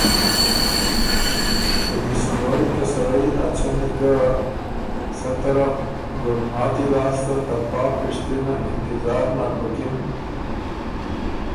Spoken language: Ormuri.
ته دِست نیوئ ته سړئ ا څمی که سۀ طرف ګُلماتی لاسته ته پا پِشتنه انتظار نر بُکِن